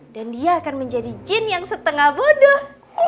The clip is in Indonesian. dan dia akan menjadi jin yang setengah bodoh